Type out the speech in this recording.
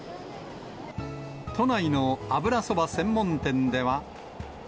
都内の油そば専門店では。